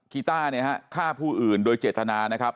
คีต้าฆ่าผู้อื่นโดยเจตนานะครับ